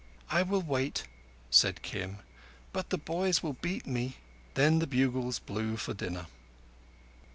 "I will wait," said Kim, "but the boys will beat me." Then the bugles blew for dinner.